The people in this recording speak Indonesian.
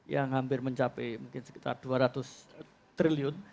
yang hampir mencapai mungkin sekitar dua ratus triliun